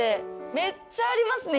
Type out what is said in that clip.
めっちゃありますね